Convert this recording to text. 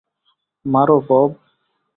মারো, বব।